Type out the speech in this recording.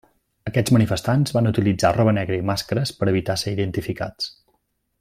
Aquests manifestants van utilitzar roba negra i màscares per evitar ser identificats.